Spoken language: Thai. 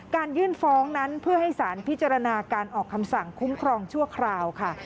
ยื่นฟ้องนั้นเพื่อให้สารพิจารณาการออกคำสั่งคุ้มครองชั่วคราวค่ะ